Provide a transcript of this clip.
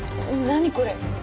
何これ？